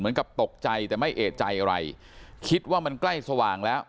ตกใจแต่ไม่เอกใจอะไรคิดว่ามันใกล้สว่างแล้ว